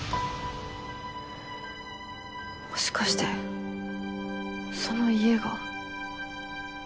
もしかしてその家が？